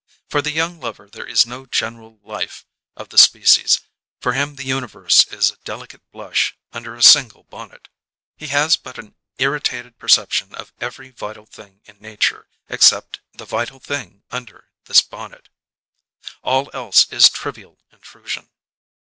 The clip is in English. For the young lover there is no general life of the species; for him the universe is a delicate blush under a single bonnet. He has but an irritated perception of every vital thing in nature except the vital thing under this bonnet; all else is trivial intrusion.